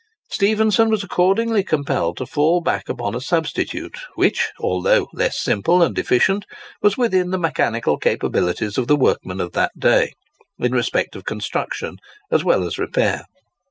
Stephenson was accordingly compelled to fall back upon a substitute, which, although less simple and efficient, was within the mechanical capabilities of the workmen of that day, in respect of construction as well as repair.